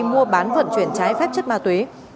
mua bán vận chuyển trái phép chất ma túy